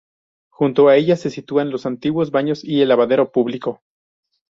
Junto a ella se sitúan los antiguos baños y el lavadero público.